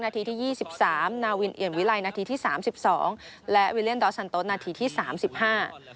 นาทีที่ยี่สิบสามนาวินเหยียนวิไลน์นาทีที่สามสิบสองและนาทีที่สามสิบห้า